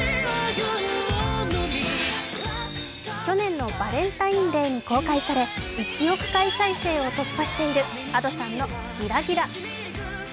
去年のバレンタインデーに公開され１億回再生を突破しているＡｄｏさんの「ギラギラ」。